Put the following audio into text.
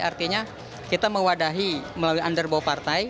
artinya kita mewadahi melalui underball partai